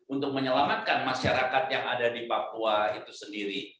untuk menyelamatkan masyarakat yang ada di papua itu sendiri